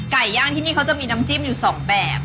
ย่างที่นี่เขาจะมีน้ำจิ้มอยู่๒แบบ